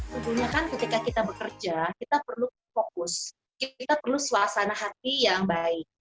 tentunya kan ketika kita bekerja kita perlu fokus kita perlu suasana hati yang baik